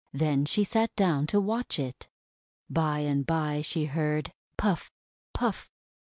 Then she sat down to watch it. By and by she heard "Puff! Puff!